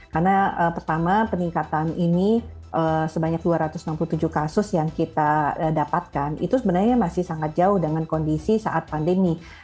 karena pertama peningkatan ini sebanyak dua ratus enam puluh tujuh kasus yang kita dapatkan itu sebenarnya masih sangat jauh dengan kondisi saat pandemi